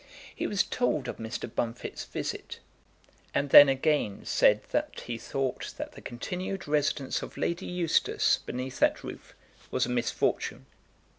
He was told of Mr. Bunfit's visit, and then again said that he thought that the continued residence of Lady Eustace beneath that roof was a misfortune.